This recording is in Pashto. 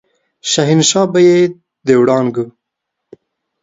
شهنشاه به يې د وړانګو